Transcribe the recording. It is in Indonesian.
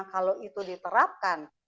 kalau itu diterapkan